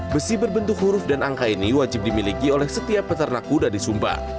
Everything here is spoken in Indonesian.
besi berbentuk huruf dan angka ini wajib dimiliki oleh setiap peternak kuda di sumba